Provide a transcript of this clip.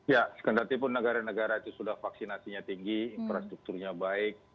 ya sekandar itu pun negara negara itu sudah vaksinasinya tinggi infrastrukturnya baik